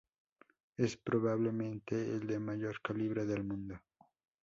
Es probablemente el de mayor calibre del mundo.